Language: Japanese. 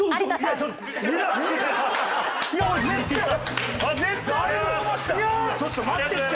ちょっと待ってって！